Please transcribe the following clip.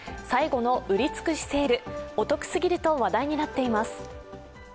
最後の売り尽くしセール、お得すぎると話題になっています。